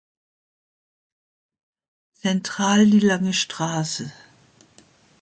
Zentral die Lange Straße.